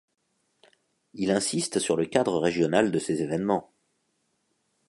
Il insiste sur le cadre régional de ces évènements.